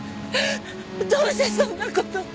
どうしてそんな事！